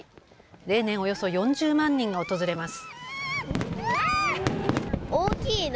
例年およそ４０万人が訪れます。